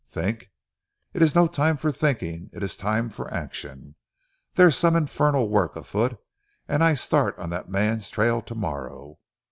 "Think! It is no time for thinking, it is the time for action. There's some infernal work afoot, and I start on that man's trail tomorrow.